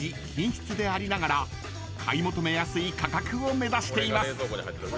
品質でありながら買い求めやすい価格を目指しています］